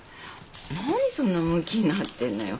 何そんなむきになってんのよ。